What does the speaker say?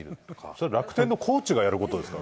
それは楽天のコーチがやるこ